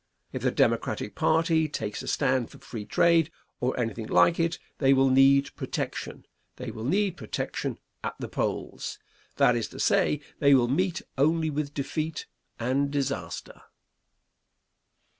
If the Democratic party takes a stand for free trade or anything like it, they will need protection; they will need protection at the polls; that is to say, they will meet only with defeat and disaster.